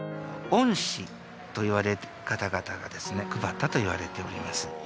御師といわれる方々がですね配ったといわれております